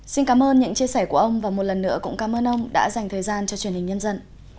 xin cảm ơn những chia sẻ của ông và một lần nữa cũng cảm ơn ông đã dành thời gian cho truyền hình nhân dân